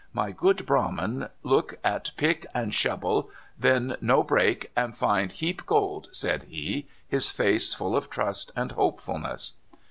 " ^fy good brahmin look at pick and shobel, then no break, and find heap gold," said he, his face full of trust and hopefulness.